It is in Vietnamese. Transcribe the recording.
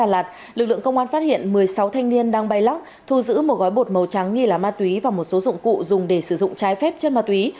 lực lượng công an phát hiện một mươi sáu thanh niên đang bay lắc thu giữ một gói bột màu trắng nghi là ma túy và một số dụng cụ dùng để sử dụng trái phép chất ma túy